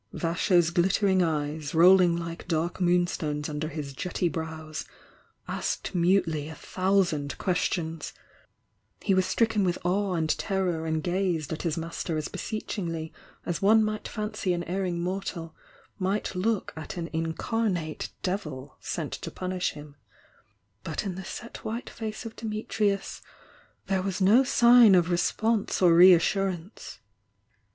Vasho ^ ghttering eyes, rolling Uke dark moon^ stones under his jetty brows, asked mutely a thou sand questions; he was stricken with awe and ter ror and gazed at his master as beseechingly as one might fancy an erring mortal might look at an in carnate devil sent to punish him, but in the set white face of Dumtrius there was no sign of response or reassurance.